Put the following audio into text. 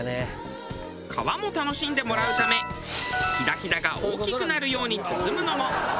皮も楽しんでもらうためヒダヒダが大きくなるように包むのもこだわり。